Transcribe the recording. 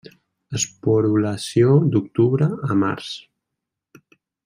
Esporulació d'octubre a març.